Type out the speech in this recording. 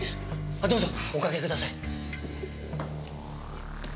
あどうぞおかけください。